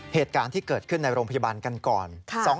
เหตุการณ์ที่เกิดขึ้นในโรงพยาบาลกันก่อน